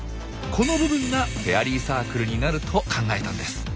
この部分がフェアリーサークルになると考えたんです。